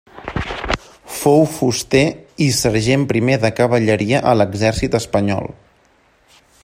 Fou fuster i sergent primer de cavalleria a l'Exèrcit Espanyol.